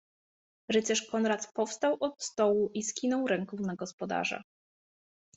Rycerz Konrad powstał od stołu i skinął ręką na gospodarza.